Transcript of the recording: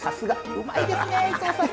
うまいですねいとうさん。